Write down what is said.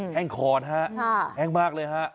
แห้งคอดแห้งมากเลย